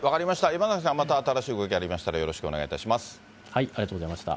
山崎さん、また新しい動きありましたらよろしくお願いいたします。